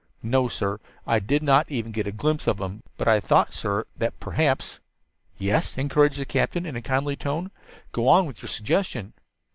"No, sir, I did not even get a glimpse of him. But I thought, sir, that perhaps " "Yes," encouraged the captain in a kindly tone. "Go on with your suggestion."